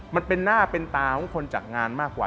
มันเป็นหน้าเป็นตาของคนจัดงานมากกว่า